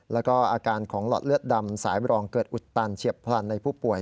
แล้วก็อาการของหลอดเลือดดำสายบรองเกิดอุดตันเฉียบพลันในผู้ป่วย